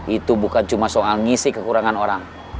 itu bukan cuma soal ngisi kekurangan orang